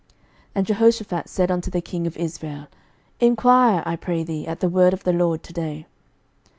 11:022:005 And Jehoshaphat said unto the king of Israel, Enquire, I pray thee, at the word of the LORD to day.